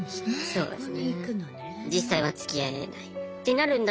そうですね。